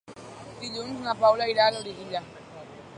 Dilluns na Paula irà a Loriguilla.